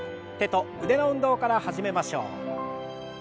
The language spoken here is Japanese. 手と腕の運動から始めましょう。